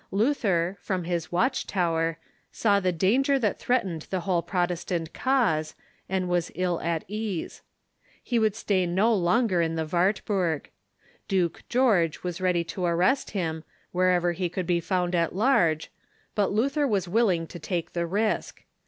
Luther, from his watch tower, saw the danger that threatened the whole Protestant cause, and was ill at ease. He could stay no longer in the Wartburg. Duke George was ready to ar rest him, wherever he could be found at large, but Luther was Avilling to take the risk.